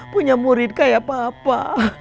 punya murid kayak papa